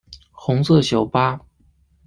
红色小巴